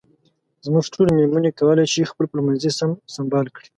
زموږ ټولې مېرمنې کولای شي خپل پخلنځي سم سنبال کړي.